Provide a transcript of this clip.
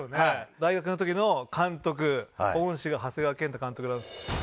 大学の時の監督恩師が長谷川健太監督なんです。